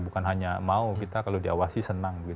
bukan hanya mau kita kalau diawasi senang